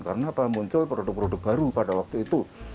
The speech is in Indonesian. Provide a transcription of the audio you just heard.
karena muncul produk produk baru pada waktu itu